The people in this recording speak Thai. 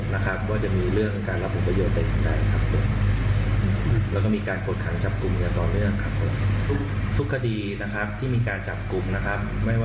สาวถึงตัวการนะครับผู้โดยภูมิพวกการทุกคนนะครับ